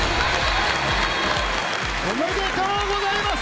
おめでとうございます！